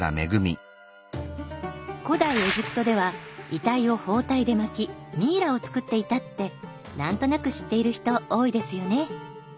古代エジプトでは遺体を包帯で巻きミイラを作っていたって何となく知っている人多いですよね？